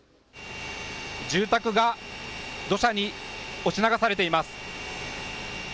住宅が土砂に押し流されています。